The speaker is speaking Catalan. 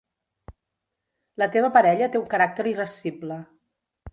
La teva parella té un caràcter irascible.